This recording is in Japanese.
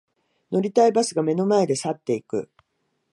乗りたいバスが目の前で去っていく